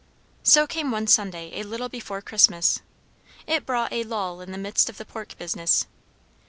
So came one Sunday a little before Christmas. It brought a lull in the midst of the pork business.